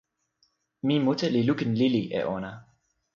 mi mute li lukin lili e ona.